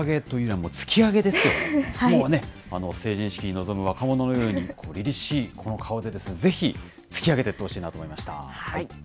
もうね、成人式に臨む若者のように、りりしいこの顔でですね、ぜひ突き上げていってほしいなと思いました。